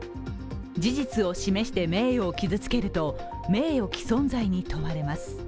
事実を示して名誉を傷つけると名誉毀損罪に問われます。